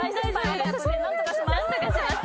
何とかします。